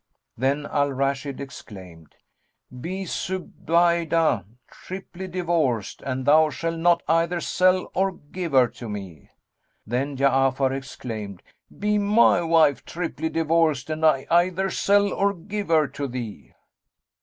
Then Al Rashid exclaimed, "Be Zubaydah triply divorced an thou shall not either sell or give her to me!" Then Ja'afar exclaimed, "Be my wife triply divorced an I either sell or give her to thee!"